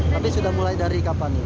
tapi sudah mulai dari kapan